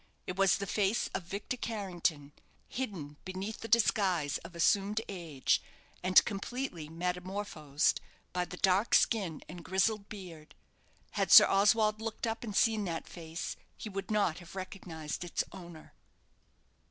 It was the face of Victor Carrington, hidden beneath the disguise of assumed age, and completely metamorphosed by the dark skin and grizzled beard. Had Sir Oswald looked up and seen that face, he would not have recognized its owner.